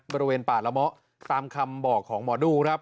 บริเวณป่าละเมาะตามคำบอกของหมอดูครับ